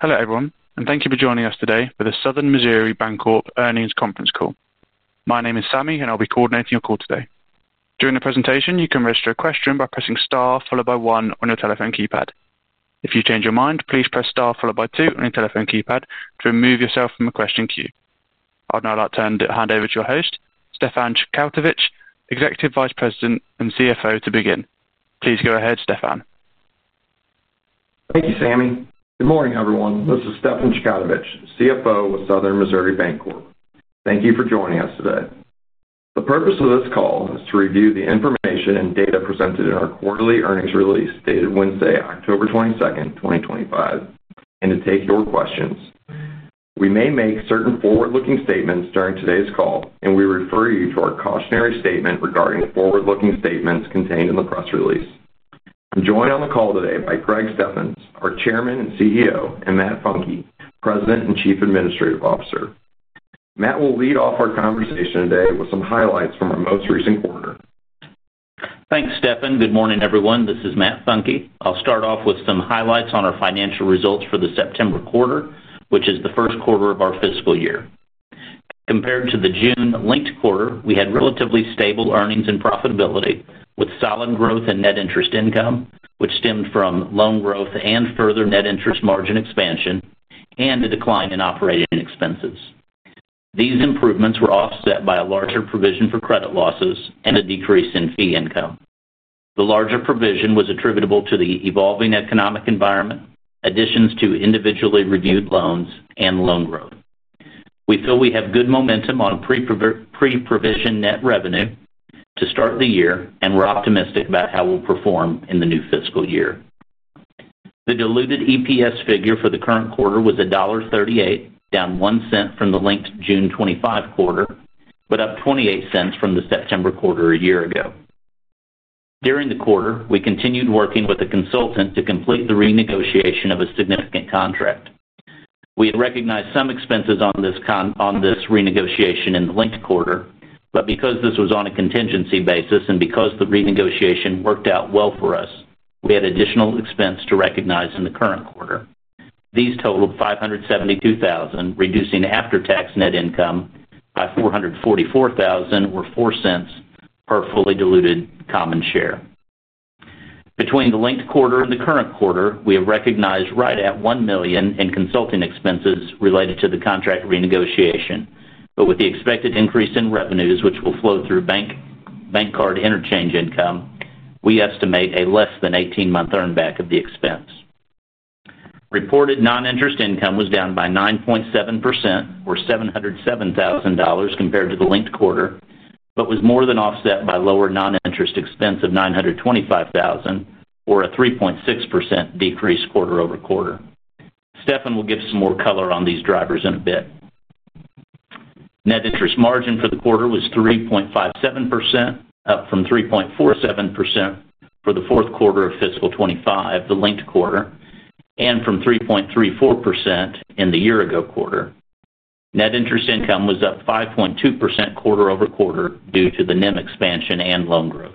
Hello, everyone, and thank you for joining us today for the Southern Missouri Bancorp earnings conference call. My name is Sammy, and I'll be coordinating your call today. During the presentation, you can register a question by pressing star followed by one on your telephone keypad. If you change your mind, please press star followed by two on your telephone keypad to remove yourself from the question queue. I'd now like to hand over to your host, Stefan Chkautovich, Executive Vice President and CFO, to begin. Please go ahead, Stefan. Thank you, Sammy. Good morning, everyone. This is Stefan Chkautovich, CFO with Southern Missouri Bancorp. Thank you for joining us today. The purpose of this call is to review the information and data presented in our quarterly earnings release dated Wednesday, October 22, 2025, and to take your questions. We may make certain forward-looking statements during today's call, and we refer you to our cautionary statement regarding forward-looking statements contained in the press release. I'm joined on the call today by Greg Steffens, our Chairman and CEO, and Matt Funke, President and Chief Administrative Officer. Matt will lead off our conversation today with some highlights from our most recent quarter. Thanks, Stefan. Good morning, everyone. This is Matt Funke. I'll start off with some highlights on our financial results for the September quarter, which is the first quarter of our fiscal year. Compared to the June linked quarter, we had relatively stable earnings and profitability, with solid growth in net interest income, which stemmed from loan growth and further net interest margin expansion and a decline in operating expenses. These improvements were offset by a larger provision for credit losses and a decrease in fee income. The larger provision was attributable to the evolving economic environment, additions to individually reviewed loans, and loan growth. We feel we have good momentum on pre-provision net revenue to start the year, and we're optimistic about how we'll perform in the new fiscal year. The diluted EPS figure for the current quarter was $1.38, down $0.01 from the linked June 2025 quarter, but up $0.28 from the September quarter a year ago. During the quarter, we continued working with a consultant to complete the renegotiation of a significant contract. We had recognized some expenses on this renegotiation in the linked quarter, but because this was on a contingency basis and because the renegotiation worked out well for us, we had additional expense to recognize in the current quarter. These totaled $572,000, reducing after-tax net income by $444,000 or $0.04 per fully diluted common share. Between the linked quarter and the current quarter, we have recognized right at $1 million in consulting expenses related to the contract renegotiation, but with the expected increase in revenues, which will flow through bank card interchange income, we estimate a less than 18-month earned back of the expense. Reported non-interest income was down by 9.7% or $707,000 compared to the linked quarter, but was more than offset by lower non-interest expense of $925,000 or a 3.6% decrease quarter over quarter. Stefan will give some more color on these drivers in a bit. Net interest margin for the quarter was 3.57%, up from 3.47% for the fourth quarter of fiscal 2025, the linked quarter, and from 3.34% in the year-ago quarter. Net interest income was up 5.2% quarter over quarter due to the NIM expansion and loan growth.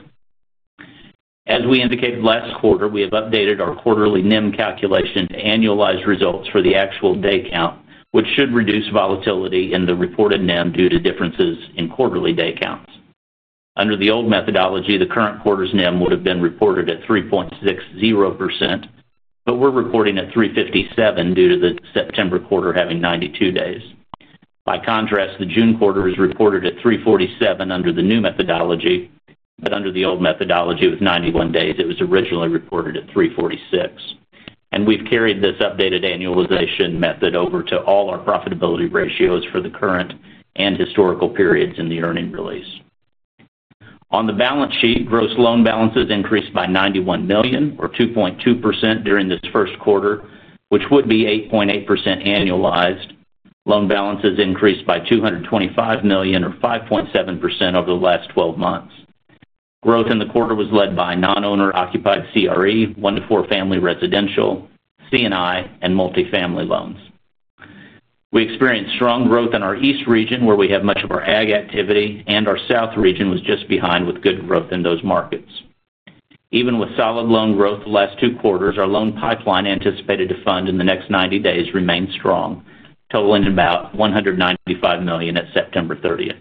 As we indicated last quarter, we have updated our quarterly NIM calculation to annualize results for the actual day count, which should reduce volatility in the reported NIM due to differences in quarterly day counts. Under the old methodology, the current quarter's NIM would have been reported at 3.60%, but we're reporting at 3.57% due to the September quarter having 92 days. By contrast, the June quarter is reported at 3.47% under the new methodology, but under the old methodology with 91 days, it was originally reported at 3.46%. We've carried this updated annualization method over to all our profitability ratios for the current and historical periods in the earnings release. On the balance sheet, gross loan balances increased by $91 million or 2.2% during this first quarter, which would be 8.8% annualized. Loan balances increased by $225 million or 5.7% over the last 12 months. Growth in the quarter was led by non-owner occupied CRE, one-to-four family residential, C&I, and multifamily loans. We experienced strong growth in our east region, where we have much of our ag activity, and our south region was just behind with good growth in those markets. Even with solid loan growth the last two quarters, our loan pipeline anticipated to fund in the next 90 days remains strong, totaling about $195 million at September 30.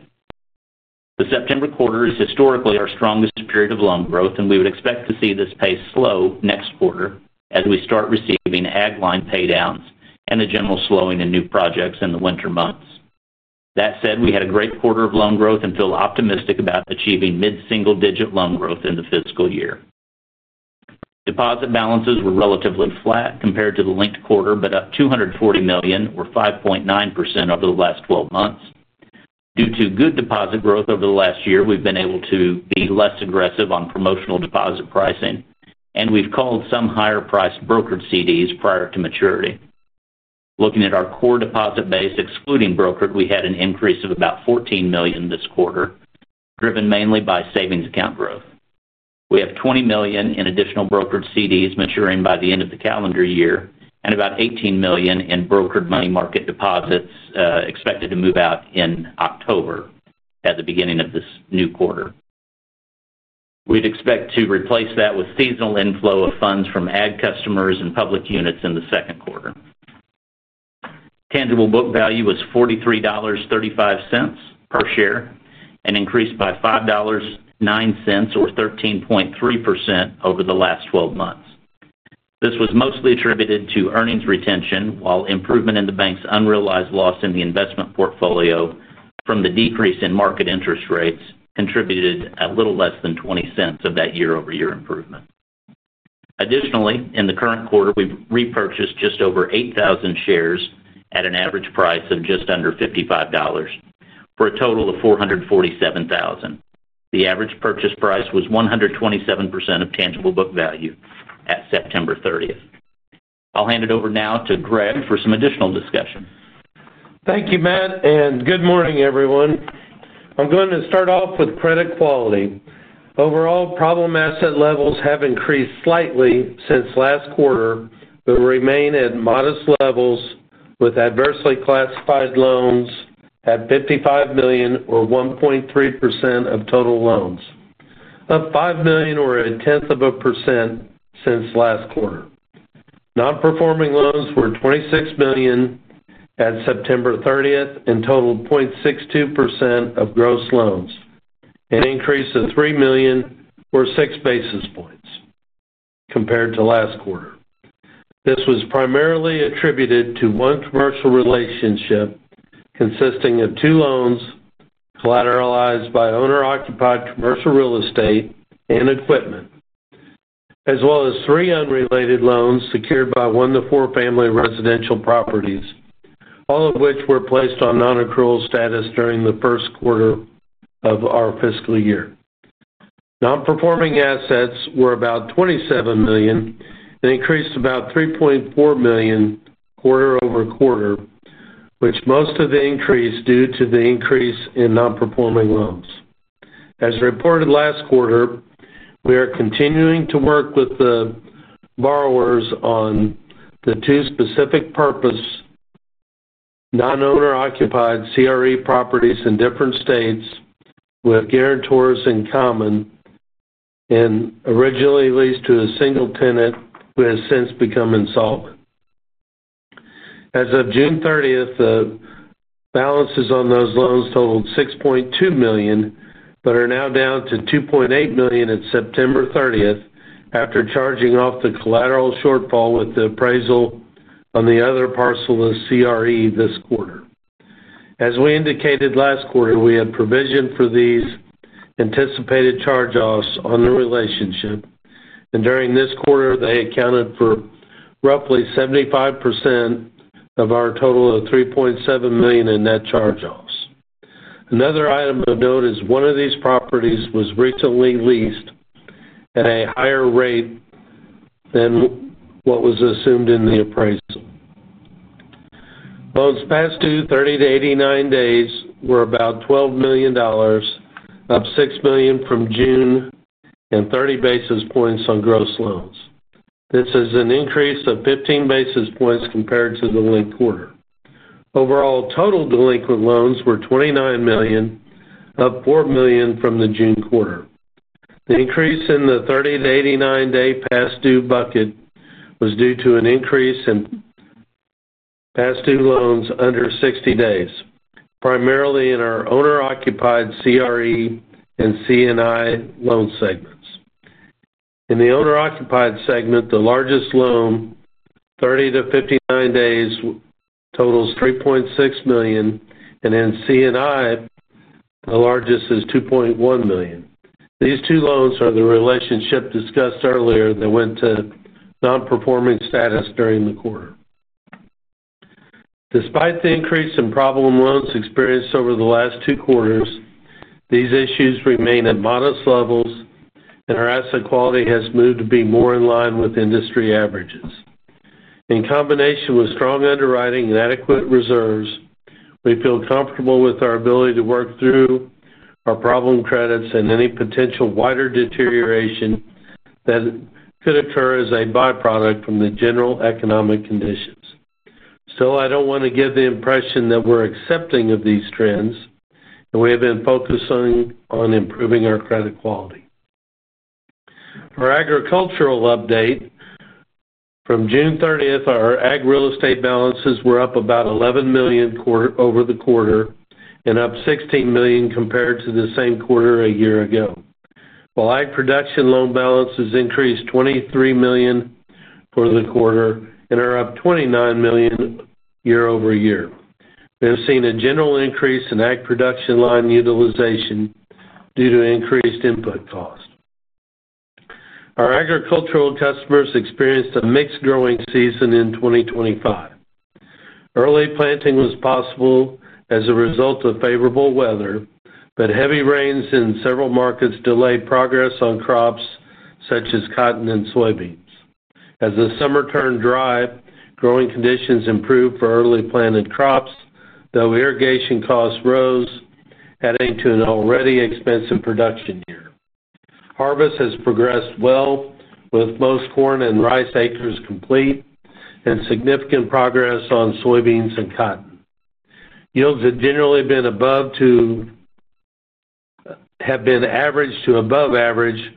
The September quarter is historically our strongest period of loan growth, and we would expect to see this pace slow next quarter as we start receiving ag line paydowns and the general slowing in new projects in the winter months. That said, we had a great quarter of loan growth and feel optimistic about achieving mid-single-digit loan growth in the fiscal year. Deposit balances were relatively flat compared to the linked quarter, but up $240 million or 5.9% over the last 12 months. Due to good deposit growth over the last year, we've been able to be less aggressive on promotional deposit pricing, and we've called some higher-priced brokered certificates of deposit prior to maturity. Looking at our core deposit base, excluding brokered, we had an increase of about $14 million this quarter, driven mainly by savings account growth. We have $20 million in additional brokered certificates of deposit maturing by the end of the calendar year and about $18 million in brokered money market deposits expected to move out in October at the beginning of this new quarter. We'd expect to replace that with seasonal inflow of funds from ag customers and public units in the second quarter. Tangible book value was $43.35 per share and increased by $5.09 or 13.3% over the last 12 months. This was mostly attributed to earnings retention, while improvement in the bank's unrealized loss in the investment portfolio from the decrease in market interest rates contributed a little less than $0.20 of that year-over-year improvement. Additionally, in the current quarter, we've repurchased just over 8,000 shares at an average price of just under $55 for a total of $447,000. The average purchase price was 127% of tangible book value at September 30. I'll hand it over now to Greg for some additional discussion. Thank you, Matt, and good morning, everyone. I'm going to start off with credit quality. Overall, problem asset levels have increased slightly since last quarter, but remain at modest levels with adversely classified loans at $55 million or 1.3% of total loans, up $5 million or a tenth of a percent since last quarter. Non-performing loans were $26 million at September 30 and totaled 0.62% of gross loans, an increase of $3 million or 6 basis points compared to last quarter. This was primarily attributed to one commercial relationship consisting of two loans collateralized by owner-occupied commercial real estate and equipment, as well as three unrelated loans secured by one-to-four family residential properties, all of which were placed on non-accrual status during the first quarter of our fiscal year. Non-performing assets were about $27 million and increased about $3.4 million quarter over quarter, with most of the increase due to the increase in non-performing loans. As reported last quarter, we are continuing to work with the borrowers on the two specific purpose non-owner occupied commercial real estate properties in different states with guarantors in common, and originally leased to a single tenant who has since become insolvent. As of June 30, the balances on those loans totaled $6.2 million but are now down to $2.8 million at September 30 after charging off the collateral shortfall with the appraisal on the other parcel of CRE this quarter. As we indicated last quarter, we had provision for these anticipated charge-offs on the relationship, and during this quarter, they accounted for roughly 75% of our total of $3.7 million in net charge-offs. Another item of note is one of these properties was recently leased at a higher rate than what was assumed in the appraisal. Loans past due 30 to 89 days were about $12 million, up $6 million from June and 30 basis points on gross loans. This is an increase of 15 basis points compared to the linked quarter. Overall, total delinquent loans were $29 million, up $4 million from the June quarter. The increase in the 30 to 89-day past due bucket was due to an increase in past due loans under 60 days, primarily in our owner-occupied CRE and C&I loan segments. In the owner-occupied segment, the largest loan 30 to 59 days totals $3.6 million, and in C&I, the largest is $2.1 million. These two loans are the relationship discussed earlier that went to non-performing status during the quarter. Despite the increase in problem loans experienced over the last two quarters, these issues remain at modest levels, and our asset quality has moved to be more in line with industry averages. In combination with strong underwriting and adequate reserves, we feel comfortable with our ability to work through our problem credits and any potential wider deterioration that could occur as a byproduct from the general economic conditions. Still, I don't want to give the impression that we're accepting of these trends, and we have been focusing on improving our credit quality. For agricultural update, from June 30, our ag real estate balances were up about $11 million over the quarter and up $16 million compared to the same quarter a year ago. While ag production loan balances increased $23 million for the quarter and are up $29 million year over year, we have seen a general increase in ag production line utilization due to increased input costs. Our agricultural customers experienced a mixed growing season in 2025. Early planting was possible as a result of favorable weather, but heavy rains in several markets delayed progress on crops such as cotton and soybeans. As the summer turned dry, growing conditions improved for early planted crops, though irrigation costs rose, adding to an already expensive production year. Harvest has progressed well, with most corn and rice acres complete and significant progress on soybeans and cotton. Yields have generally been average to above average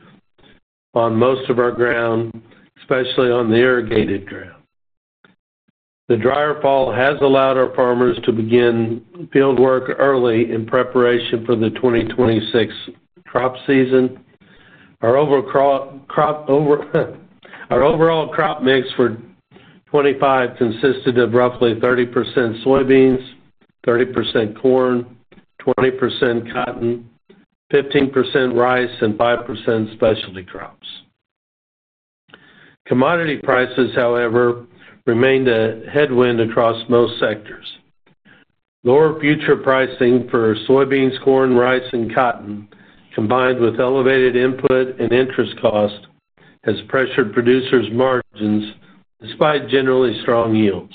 on most of our ground, especially on the irrigated ground. The drier fall has allowed our farmers to begin field work early in preparation for the 2026 crop season. Our overall crop mix for 2025 consisted of roughly 30% soybeans, 30% corn, 20% cotton, 15% rice, and 5% specialty crops. Commodity prices, however, remained a headwind across most sectors. Lower future pricing for soybeans, corn, rice, and cotton, combined with elevated input and interest costs, has pressured producers' margins despite generally strong yields.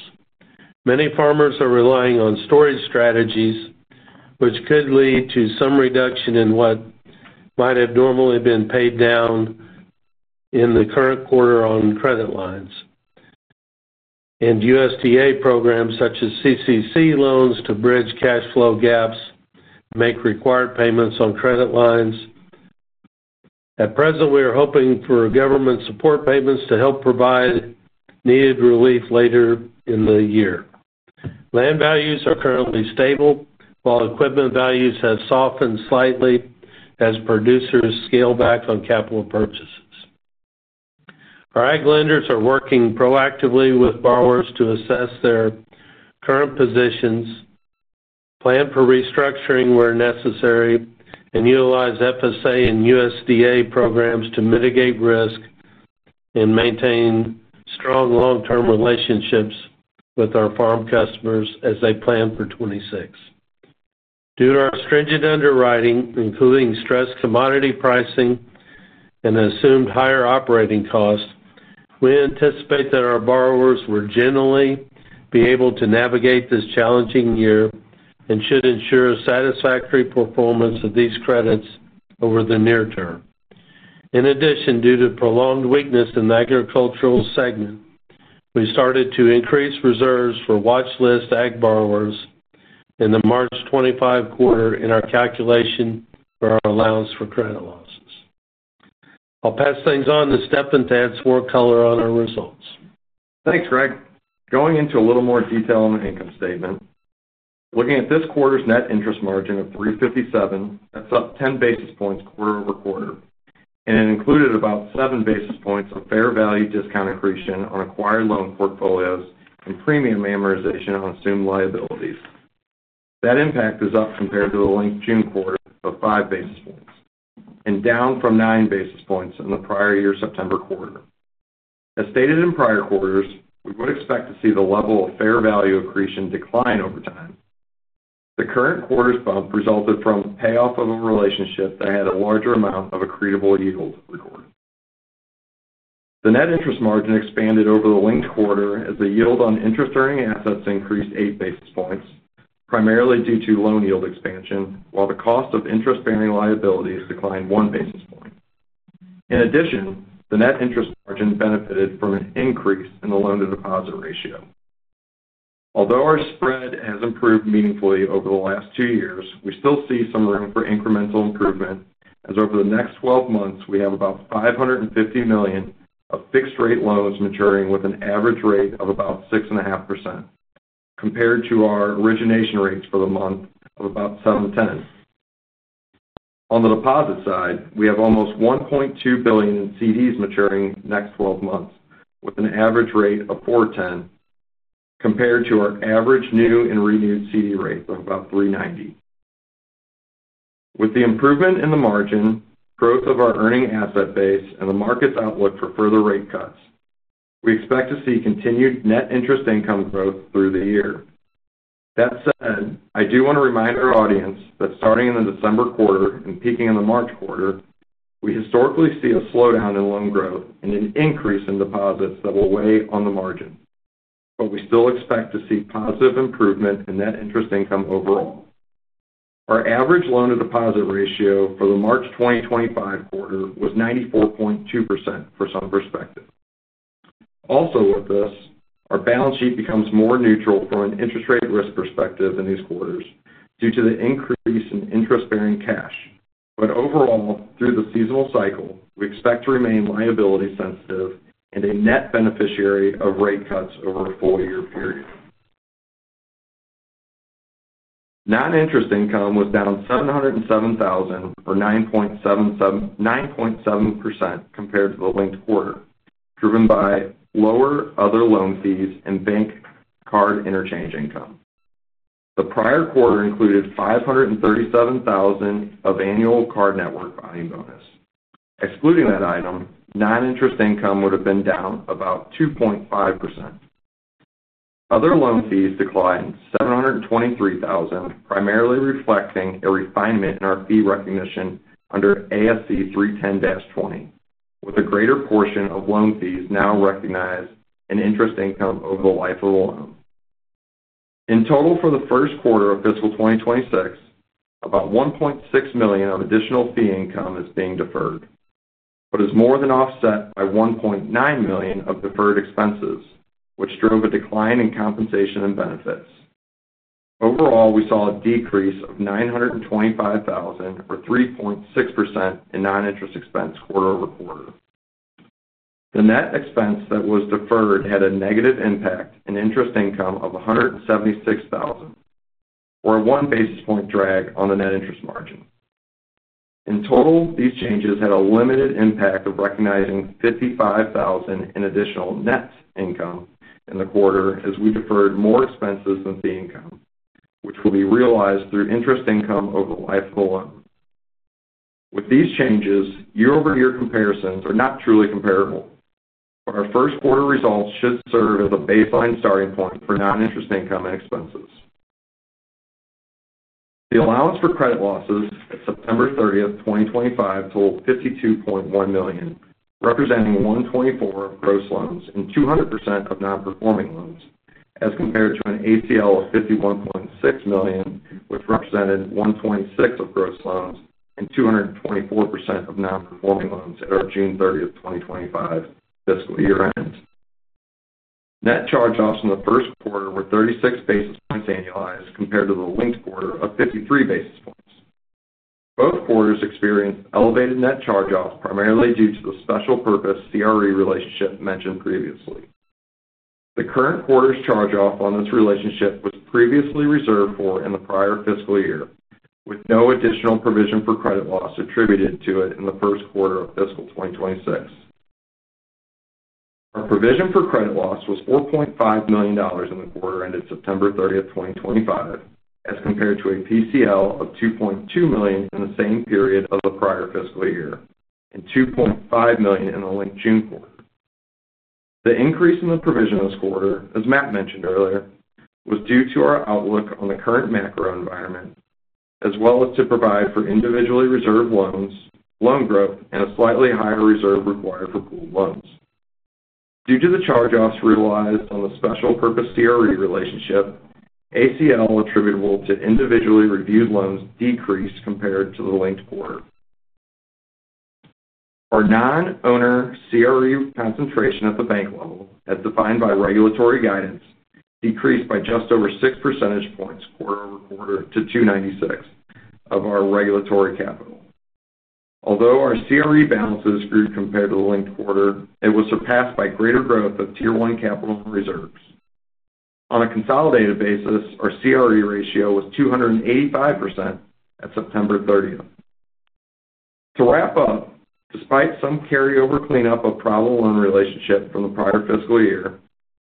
Many farmers are relying on storage strategies, which could lead to some reduction in what might have normally been paid down in the current quarter on credit lines. USDA programs such as CCC loans bridge cash flow gaps and make required payments on credit lines. At present, we are hoping for government support payments to help provide needed relief later in the year. Land values are currently stable, while equipment values have softened slightly as producers scale back on capital purchases. Our ag lenders are working proactively with borrowers to assess their current positions, plan for restructuring where necessary, and utilize FSA and USDA programs to mitigate risk and maintain strong long-term relationships with our farm customers as they plan for 2026. Due to our stringent underwriting, including stressed commodity pricing and assumed higher operating costs, we anticipate that our borrowers will generally be able to navigate this challenging year and should ensure a satisfactory performance of these credits over the near term. In addition, due to prolonged weakness in the agricultural segment, we started to increase reserves for watch list ag borrowers in the March 2025 quarter in our calculation for our allowance for credit losses. I'll pass things on to Stefan to add some more color on our results. Thanks, Greg. Going into a little more detail on the income statement, looking at this quarter's net interest margin of 3.57%, that's up 10 basis points quarter over quarter, and it included about 7 basis points of fair value discount accretion on acquired loan portfolios and premium amortization on assumed liabilities. That impact is up compared to the linked June quarter of 5 basis points and down from 9 basis points in the prior year's September quarter. As stated in prior quarters, we would expect to see the level of fair value accretion decline over time. The current quarter's bump resulted from payoff of a relationship that had a larger amount of accretable yield recorded. The net interest margin expanded over the linked quarter as the yield on interest-earning assets increased 8 basis points, primarily due to loan yield expansion, while the cost of interest-bearing liabilities declined 1 basis point. In addition, the net interest margin benefited from an increase in the loan-to-deposit ratio. Although our spread has improved meaningfully over the last two years, we still see some room for incremental improvement as over the next 12 months we have about $550 million of fixed-rate loans maturing with an average rate of about 6.5% compared to our origination rates for the month of about 7.10%. On the deposit side, we have almost $1.2 billion in certificates of deposit maturing in the next 12 months with an average rate of 4.10% compared to our average new and renewed certificate of deposit rate of about 3.90%. With the improvement in the margin, growth of our earning asset base, and the market's outlook for further rate cuts, we expect to see continued net interest income growth through the year. That said, I do want to remind our audience that starting in the December quarter and peaking in the March quarter, we historically see a slowdown in loan growth and an increase in deposits that will weigh on the margin, but we still expect to see positive improvement in net interest income overall. Our average loan-to-deposit ratio for the March 2025 quarter was 94.2% for some perspective. Also with this, our balance sheet becomes more neutral from an interest rate risk perspective in these quarters due to the increase in interest-bearing cash. Overall, through the seasonal cycle, we expect to remain liability-sensitive and a net beneficiary of rate cuts over a four-year period. Non-interest income was down $707,000 or 9.7% compared to the linked quarter, driven by lower other loan fees and bank card interchange income. The prior quarter included $537,000 of annual card network value bonus. Excluding that item, non-interest income would have been down about 2.5%. Other loan fees declined $723,000, primarily reflecting a refinement in our fee recognition under ASC 310-20, with a greater portion of loan fees now recognized in interest income over the life of a loan. In total, for the first quarter of fiscal 2026, about $1.6 million of additional fee income is being deferred, but is more than offset by $1.9 million of deferred expenses, which drove a decline in compensation and benefits. Overall, we saw a decrease of $925,000 or 3.6% in non-interest expense quarter over quarter. The net expense that was deferred had a negative impact in interest income of $176,000 or a one basis point drag on the net interest margin. In total, these changes had a limited impact of recognizing $55,000 in additional net income in the quarter as we deferred more expenses than fee income, which will be realized through interest income over the life of a loan. With these changes, year-over-year comparisons are not truly comparable, but our first quarter results should serve as a baseline starting point for non-interest income and expenses. The allowance for credit losses at September 30, 2025, totaled $52.1 million, representing 1.24% of gross loans and 200% of non-performing loans as compared to an ACL of $51.6 million, which represented 1.6% of gross loans and 224% of non-performing loans at our June 30, 2025 fiscal year end. Net charge-offs in the first quarter were 36 basis points annualized compared to the linked quarter of 53 basis points. Both quarters experienced elevated net charge-offs primarily due to the special purpose CRE relationship mentioned previously. The current quarter's charge-off on this relationship was previously reserved for in the prior fiscal year, with no additional provision for credit loss attributed to it in the first quarter of fiscal 2026. Our provision for credit loss was $4.5 million in the quarter ended September 30, 2025, as compared to a PCL of $2.2 million in the same period of the prior fiscal year and $2.5 million in the linked June quarter. The increase in the provision this quarter, as Matt mentioned earlier, was due to our outlook on the current macro environment, as well as to provide for individually reserved loans, loan growth, and a slightly higher reserve required for pooled loans. Due to the charge-offs realized on the special purpose CRE relationship, ACL attributable to individually reviewed loans decreased compared to the linked quarter. Our non-owner CRE concentration at the bank level, as defined by regulatory guidance, decreased by just over 6% quarter over quarter to 296% of our regulatory capital. Although our CRE balances grew compared to the linked quarter, it was surpassed by greater growth of tier one capital reserves. On a consolidated basis, our CRE ratio was 285% at September 30, 2026. To wrap up, despite some carryover cleanup of problem loan relationship from the prior fiscal year,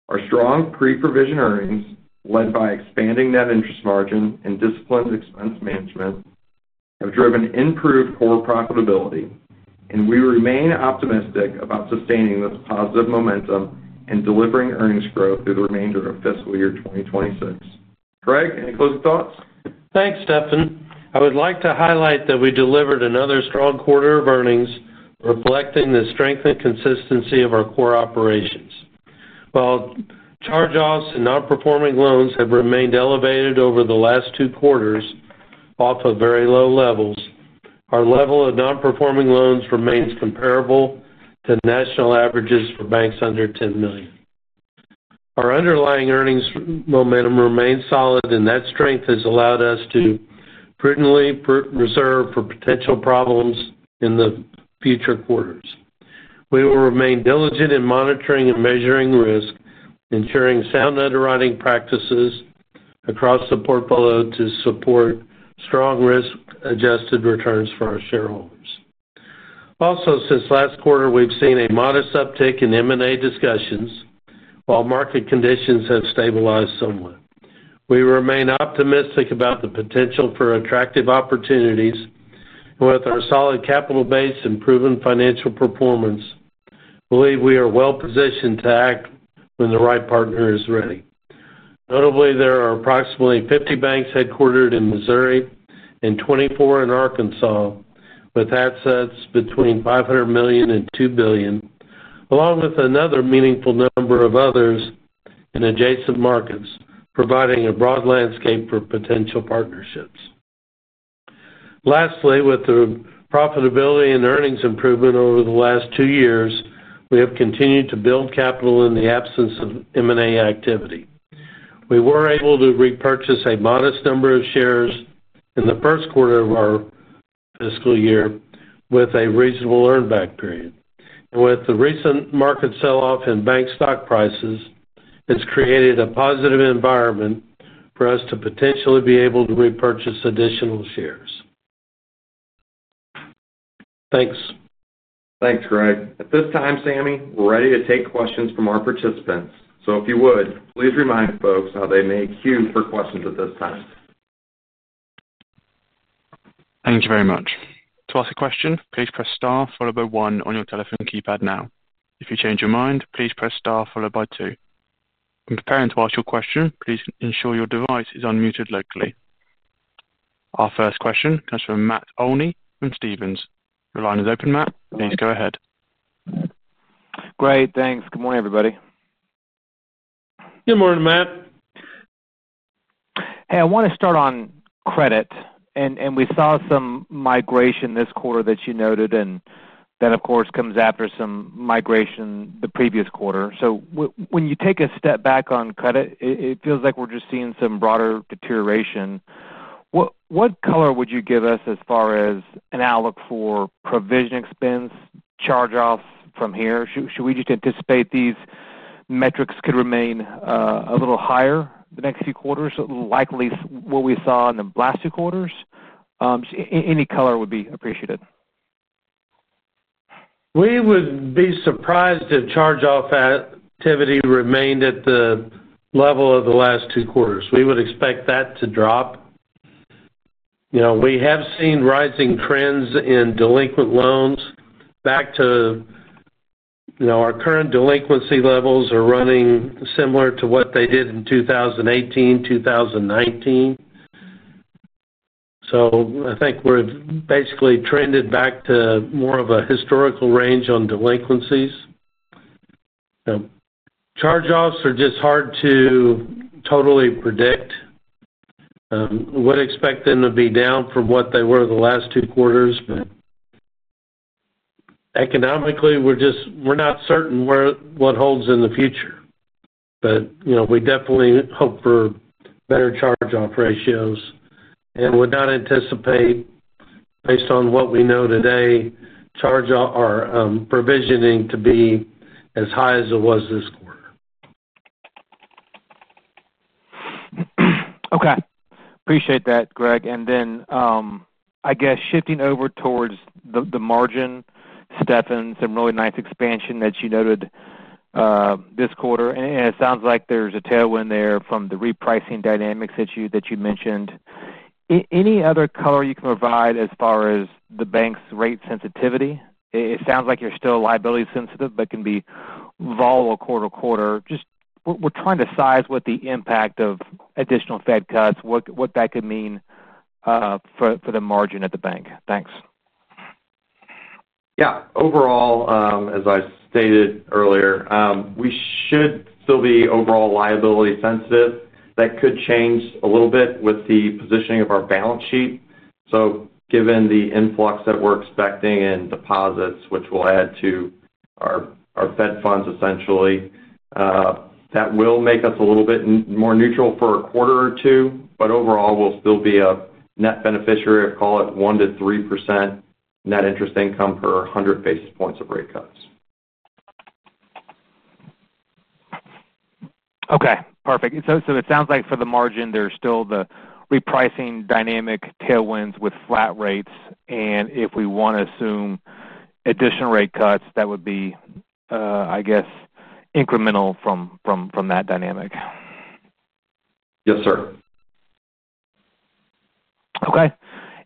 our strong pre-provision earnings, led by expanding net interest margin and disciplined expense management, have driven improved core profitability, and we remain optimistic about sustaining this positive momentum and delivering earnings growth through the remainder of fiscal year 2026. Greg, any closing thoughts? Thanks, Stefan. I would like to highlight that we delivered another strong quarter of earnings, reflecting the strength and consistency of our core operations. While charge-offs and non-performing loans have remained elevated over the last two quarters off of very low levels, our level of non-performing loans remains comparable to national averages for banks under $10 million. Our underlying earnings momentum remains solid, and that strength has allowed us to prudently reserve for potential problems in the future quarters. We will remain diligent in monitoring and measuring risk, ensuring sound underwriting practices across the portfolio to support strong risk-adjusted returns for our shareholders. Also, since last quarter, we've seen a modest uptick in M&A discussions, while market conditions have stabilized somewhat. We remain optimistic about the potential for attractive opportunities, and with our solid capital base and proven financial performance, I believe we are well positioned to act when the right partner is ready. Notably, there are approximately 50 banks headquartered in Missouri and 24 in Arkansas, with assets between $500 million and $2 billion, along with another meaningful number of others in adjacent markets, providing a broad landscape for potential partnerships. Lastly, with the profitability and earnings improvement over the last two years, we have continued to build capital in the absence of M&A activity. We were able to repurchase a modest number of shares in the first quarter of our fiscal year with a reasonable earned back period. With the recent market sell-off in bank stock prices, it's created a positive environment for us to potentially be able to repurchase additional shares. Thanks. Thanks, Greg. At this time, Sammy, we're ready to take questions from our participants. If you would, please remind folks how they may queue for questions at this time. Thank you very much. To ask a question, please press star followed by one on your telephone keypad now. If you change your mind, please press star followed by two. When preparing to ask your question, please ensure your device is unmuted locally. Our first question comes from Matt Funke from Stephens. Your line is open, Matt. Please go ahead. Great. Thanks. Good morning, everybody. Good morning, Matt. I want to start on credit. We saw some migration this quarter that you noted, and that, of course, comes after some migration the previous quarter. When you take a step back on credit, it feels like we're just seeing some broader deterioration. What color would you give us as far as an outlook for provision expense, charge-offs from here? Should we just anticipate these metrics could remain a little higher the next few quarters, likely what we saw in the last two quarters? Any color would be appreciated. We would be surprised if charge-off activity remained at the level of the last two quarters. We would expect that to drop. We have seen rising trends in delinquent loans back to, you know, our current delinquency levels are running similar to what they did in 2018, 2019. I think we're basically trended back to more of a historical range on delinquencies. Charge-offs are just hard to totally predict. We would expect them to be down from what they were the last two quarters, but economically, we're just, we're not certain what holds in the future. We definitely hope for better charge-off ratios. We're not anticipating, based on what we know today, provisioning to be as high as it was this quarter. Okay. Appreciate that, Greg. I guess shifting over towards the margin, Stefan, some really nice expansion that you noted this quarter. It sounds like there's a tailwind there from the repricing dynamics that you mentioned. Any other color you can provide as far as the bank's rate sensitivity? It sounds like you're still liability-sensitive but can be volatile quarter to quarter. We're trying to size what the impact of additional Fed cuts, what that could mean for the margin at the bank. Thanks. Overall, as I stated earlier, we should still be overall liability-sensitive. That could change a little bit with the positioning of our balance sheet. Given the influx that we're expecting in deposits, which will add to our Fed funds, essentially, that will make us a little bit more neutral for a quarter or two. Overall, we'll still be a net beneficiary of, call it, 1%-3% net interest income per 100 basis points of rate cuts. Okay. Perfect. It sounds like for the margin, there's still the repricing dynamic tailwinds with flat rates. If we want to assume additional rate cuts, that would be, I guess, incremental from that dynamic. Yes, sir. Okay.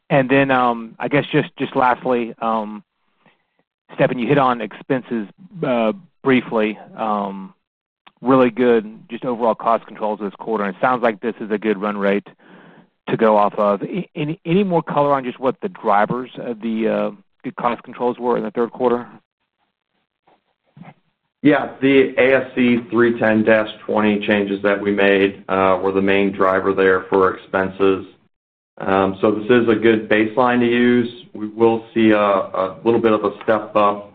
I guess just lastly, Stefan, you hit on expenses briefly. Really good just overall cost controls this quarter. It sounds like this is a good run rate to go off of. Any more color on just what the drivers of the good cost controls were in the third quarter? Yeah. The ASC 310-20 changes that we made were the main driver there for expenses. This is a good baseline to use. We will see a little bit of a step up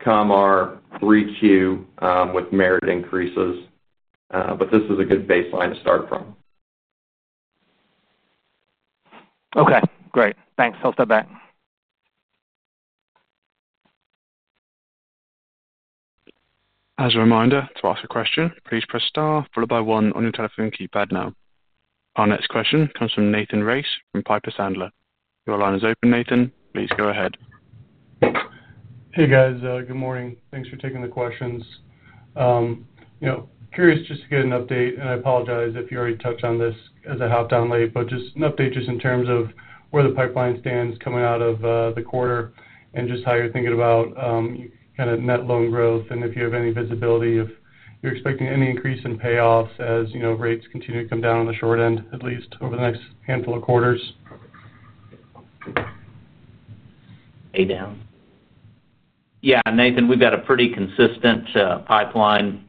come our 3Q with merit increases, but this is a good baseline to start from. Okay. Great. Thanks. I'll step back. As a reminder, to ask a question, please press star followed by one on your telephone keypad now. Our next question comes from Nathan Rice from Piper Sandler. Your line is open, Nathan. Please go ahead. Hey, guys. Good morning. Thanks for taking the questions. Curious just to get an update, and I apologize if you already touched on this as I hopped on late, but just an update in terms of where the pipeline stands coming out of the quarter and how you're thinking about net loan growth and if you have any visibility if you're expecting any increase in payoffs as, you know, rates continue to come down on the short end, at least over the next handful of quarters. Hey, Dan. Yeah. Nathan, we've got a pretty consistent pipeline in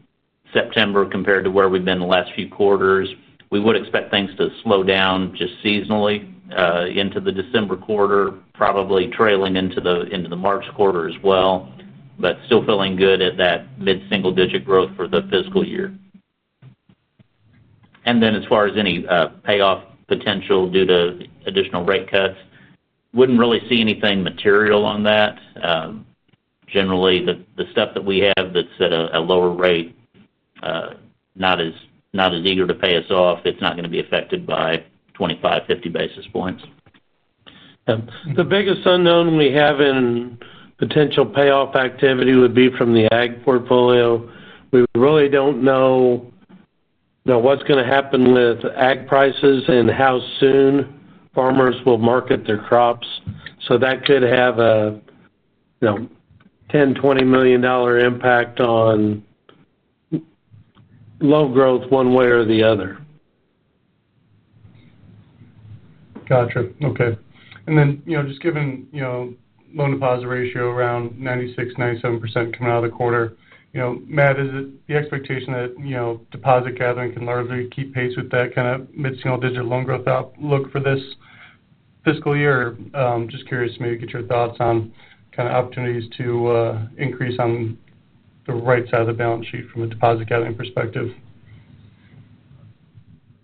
September compared to where we've been the last few quarters. We would expect things to slow down just seasonally into the December quarter, probably trailing into the March quarter as well, but still feeling good at that mid-single-digit growth for the fiscal year. As far as any payoff potential due to additional rate cuts, wouldn't really see anything material on that. Generally, the stuff that we have that's at a lower rate, not as eager to pay us off, it's not going to be affected by 25 basis points, 50 basis points. The biggest unknown we have in potential payoff activity would be from the ag portfolio. We really don't know what's going to happen with ag prices and how soon farmers will market their crops. That could have a $10 million, $20 million impact on loan growth one way or the other. Gotcha. Okay. Just given loan deposit ratio around 96%, 97% coming out of the quarter, Matt, is it the expectation that deposit gathering can largely keep pace with that kind of mid-single-digit loan growth outlook for this fiscal year? Just curious to maybe get your thoughts on kind of opportunities to increase on the right side of the balance sheet from a deposit gathering perspective.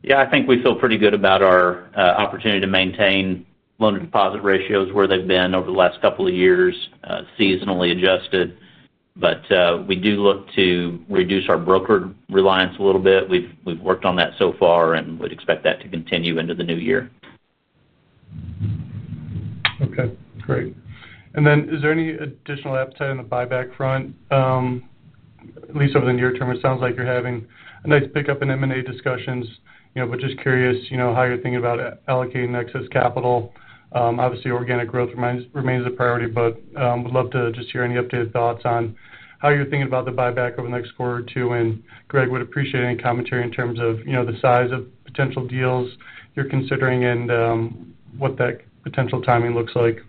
Yeah, I think we feel pretty good about our opportunity to maintain loan to deposit ratios where they've been over the last couple of years, seasonally adjusted. We do look to reduce our brokered deposit reliance a little bit. We've worked on that so far and would expect that to continue into the new year. Okay. Great. Is there any additional appetite on the buyback front, at least over the near term? It sounds like you're having a nice pickup in M&A discussions, just curious how you're thinking about allocating excess capital. Obviously, organic growth remains a priority, but would love to just hear any updated thoughts on how you're thinking about the buyback over the next quarter or two. Greg would appreciate any commentary in terms of the size of potential deals you're considering and what that potential timing looks like.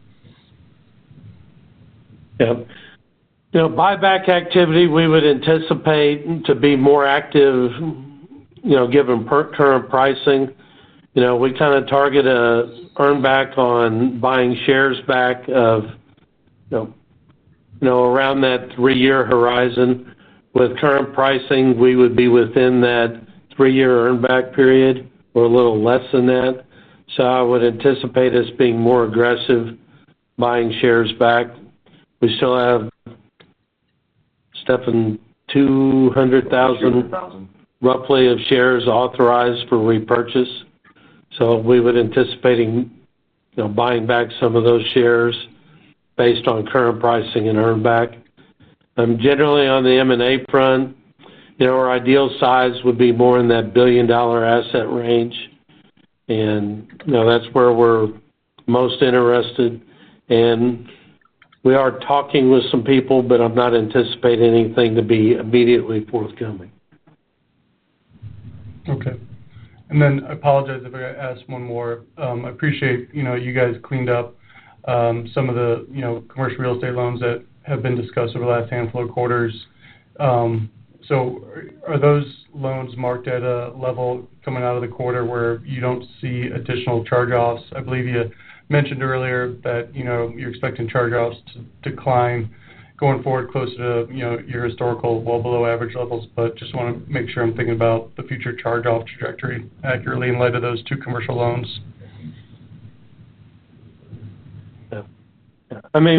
Yeah. Buyback activity, we would anticipate to be more active, given current pricing. We kind of target an earned back on buying shares back of around that three-year horizon. With current pricing, we would be within that three-year earned back period or a little less than that. I would anticipate us being more aggressive buying shares back. We still have, Stefan, 200,000 roughly of shares authorized for repurchase. We would anticipate buying back some of those shares based on current pricing and earned back. I'm generally on the M&A front. Our ideal size would be more in that billion-dollar asset range. That's where we're most interested. We are talking with some people, but I'm not anticipating anything to be immediately forthcoming. Okay. I apologize if I got to ask one more. I appreciate, you know, you guys cleaned up some of the, you know, commercial real estate loans that have been discussed over the last handful of quarters. Are those loans marked at a level coming out of the quarter where you don't see additional charge-offs? I believe you mentioned earlier that, you know, you're expecting charge-offs to decline going forward closer to, you know, your historical well below average levels, but just want to make sure I'm thinking about the future charge-off trajectory accurately in light of those two commercial loans. Yeah,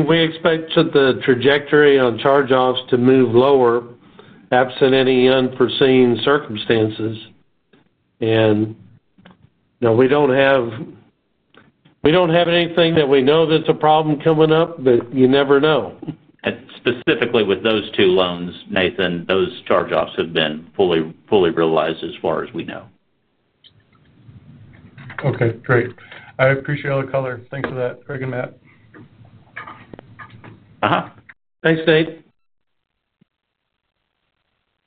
we expect the trajectory on charge-offs to move lower absent any unforeseen circumstances. We don't have anything that we know that's a problem coming up, but you never know. Specifically with those two loans, Nathan, those charge-offs have been fully realized as far as we know. Okay. Great. I appreciate all the color. Thanks for that, Greg and Matt. Thank you.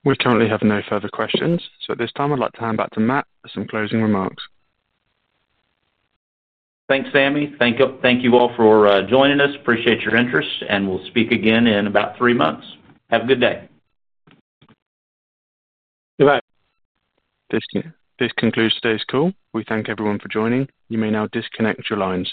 We currently have no further questions. At this time, I'd like to hand back to Matt with some closing remarks. Thanks, Sammy. Thank you all for joining us. Appreciate your interest, and we'll speak again in about three months. Have a good day. Goodbye. This concludes today's call. We thank everyone for joining. You may now disconnect your lines.